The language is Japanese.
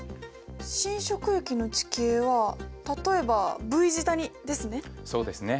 侵食域の地形は例えばＶ字谷ですね。